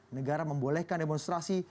negara membolehkan demonstrasi